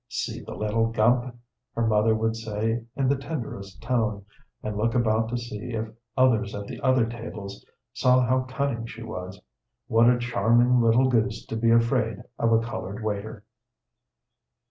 "See the little gump," her mother would say in the tenderest tone, and look about to see if others at the other tables saw how cunning she was what a charming little goose to be afraid of a colored waiter.